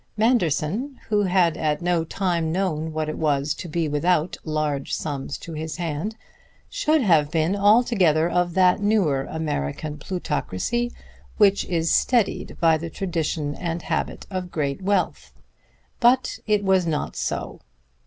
Manderson, who had at no time known what it was to be without large sums to his hand, should have been altogether of that newer American plutocracy which is steadied by the tradition and habit of great wealth. But it was not so.